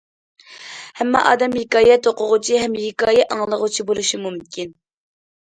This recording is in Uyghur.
ھەممە ئادەم ھېكايە توقۇغۇچى ھەم ھېكايە ئاڭلىغۇچى بولۇشى مۇمكىن.